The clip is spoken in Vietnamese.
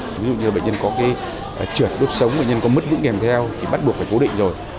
ví dụ như bệnh nhân có trượt đốt sống bệnh nhân có mất vững kèm theo thì bắt buộc phải cố định rồi